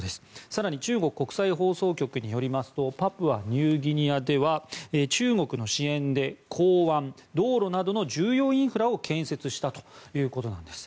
更に中国国際放送局によりますとパプアニューギニアでは中国の支援で港湾、道路などの重要インフラを建設したということです。